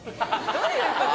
どういうこと？